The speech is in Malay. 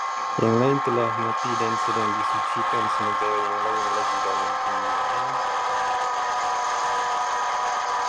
Yang lain telah mati dan sedang disucikan, sementara yang lain lagi dalam kemuliaan